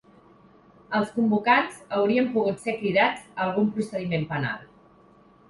Els convocants haurien pogut ser cridats a algun procediment penal.